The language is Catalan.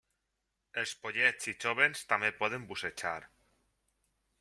Els pollets i joves també poden bussejar.